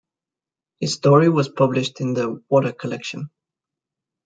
His story was published in the "Water" collection.